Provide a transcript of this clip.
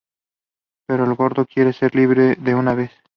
Pero el Gordo quiere ser libre de una vez.